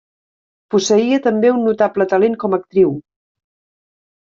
Posseïa també un notable talent com a actriu.